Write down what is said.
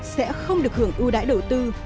sẽ không được hưởng ưu đãi đầu tư